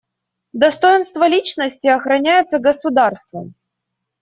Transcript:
Достоинство личности охраняется государством.